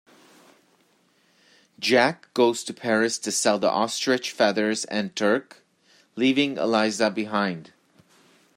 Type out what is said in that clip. Jack goes to Paris to sell the ostrich feathers and Turk, leaving Eliza behind.